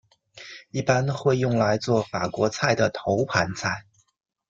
一般会用来作法国菜的头盘菜。